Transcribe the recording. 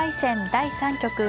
第３局。